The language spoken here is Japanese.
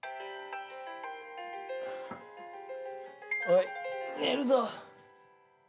「」おい寝るぞ。